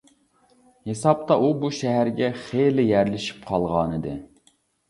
ھېسابتا ئۇ بۇ شەھەرگە خېلى يەرلىشىپ قالغانىدى.